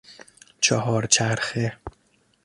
چهار چرخه